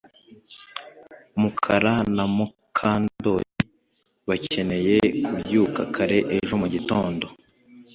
Mukara na Mukandoli bakeneye kubyuka kare ejo mugitondo